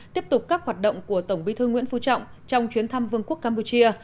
tiếp tục các hoạt động của tổng bí thư nguyễn phú trọng trong chuyến thăm vương quốc campuchia